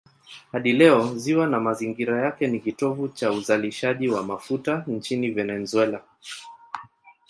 Hadi leo ziwa na mazingira yake ni kitovu cha uzalishaji wa mafuta nchini Venezuela.